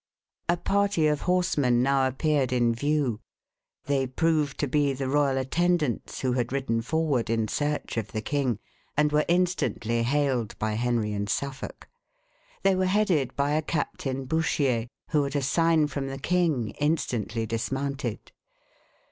A party of horsemen now appeared in view. They proved to be the royal attendants, who had ridden forward in search of the king, and were instantly hailed by Henry and Suffolk. They were headed by Captain Bouchier, who at a sign from the king instantly dismounted.